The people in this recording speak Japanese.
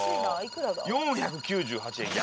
４９８円。